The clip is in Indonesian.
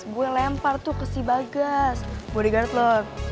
gue lempar tuh ke si bagas bodyguard lo